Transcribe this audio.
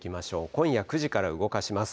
今夜９時から動かします。